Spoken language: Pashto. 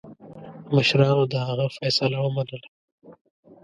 مشرانو د هغه فیصله ومنله.